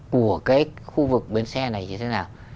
của cái khu vực bến xe này như thế nào